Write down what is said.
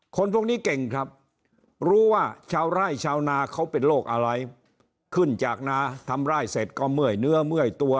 คนพวกนี้เก่งครับรู้ว่าชาวไร่ชาวนาเขาเป็นโรคอะไรขึ้นจากนาทำไร่เสร็จก็เมื่อยเนื้อเมื่อยตัว